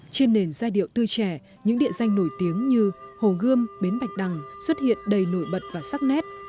trên nền giai điệu tư trẻ những địa danh nổi tiếng như hồ gươm bến bạch đằng xuất hiện đầy nổi bật và sắc nét